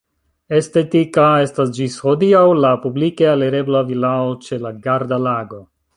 Estetika estas ĝis hodiaŭ la publike alirebla vilao ĉe la Garda-Lago.